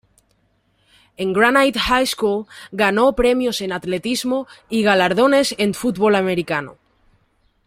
En Granite High School ganó premios en atletismo y galardones en fútbol americano.